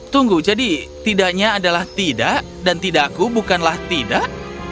tunggu jadi tidaknya adalah tidak dan tidakku bukanlah tidak